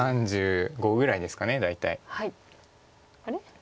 あれ？